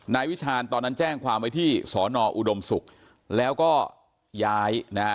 วิชาณตอนนั้นแจ้งความไว้ที่สอนออุดมศุกร์แล้วก็ย้ายนะฮะ